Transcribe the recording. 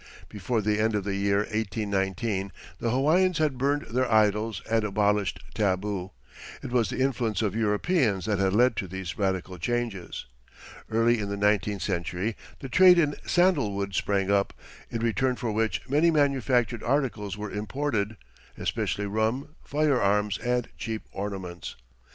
Before the end of the year 1819 the Hawaiians had burned their idols and abolished tabu. It was the influence of Europeans that had led to these radical changes. Early in the nineteenth century the trade in sandalwood sprang up, in return for which many manufactured articles were imported, especially rum, firearms and cheap ornaments.